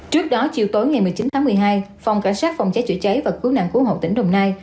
trước đó chiều tối ngày một mươi chín tháng một mươi hai phòng cảnh sát phòng cháy chữa cháy và cứu nạn cứu hộ tỉnh đồng nai